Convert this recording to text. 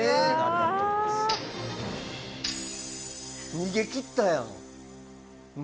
逃げきったやん。